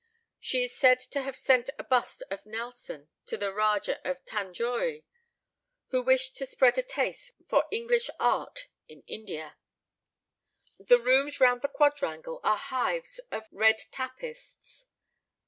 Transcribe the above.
She is said to have sent a bust of Nelson to the Rajah of Tanjore, who wished to spread a taste for English art in India. The rooms round the quadrangle are hives of red tapists.